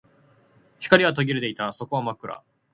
光は途切れていた。底は真っ暗。